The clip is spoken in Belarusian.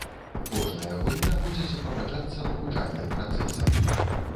Кожная гульня будзе суправаджацца навучальным працэсам.